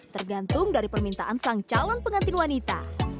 tergantung dari permintaan sang calon pengantin wanita